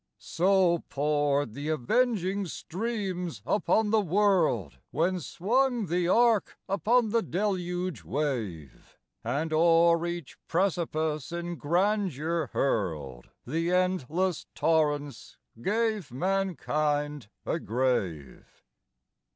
So poured the avenging streams upon the world When swung the ark upon the deluge wave, And, o'er each precipice in grandeur hurled, The endless torrents gave mankind a grave.